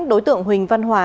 đối tượng huỳnh văn hòa